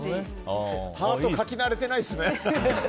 ハート描き慣れてないですね。